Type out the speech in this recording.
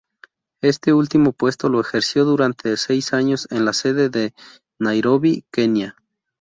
Este último puesto lo ejerció durante seis años en la sede de Nairobi, Kenia.